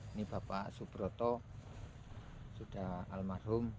ini bapak subroto sudah almarhum